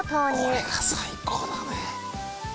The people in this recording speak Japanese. これが最高だね。